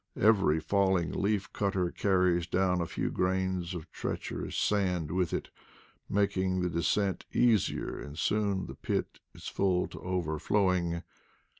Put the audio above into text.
Every falling leaf cutter carries down a few grains of treacherous sand with it, making the descent easier, and soon the pit is full to overflowing.